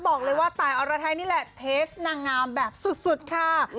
บอกเลยว่าตายอรไทยนี่แหละเทสนางงามแบบสุดค่ะ